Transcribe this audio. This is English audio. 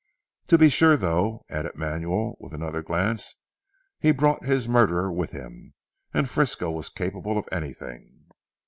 To be sure though," added Manuel with another glance, "he brought his murderer with him. And Frisco was capable of anything!"